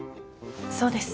そうです。